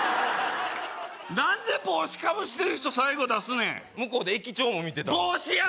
何で帽子かぶしてる人最後出すねん向こうで駅長も見てた帽子や！